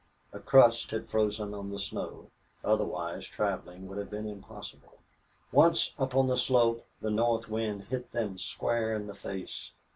A crust had frozen on the snow, otherwise traveling would have been impossible. Once up on the slope the north wind hit them square in the face.